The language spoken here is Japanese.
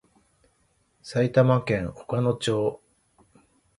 埼玉県小鹿野町